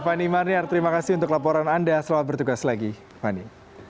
fani marniar terima kasih untuk laporan anda selamat bertugas lagi fani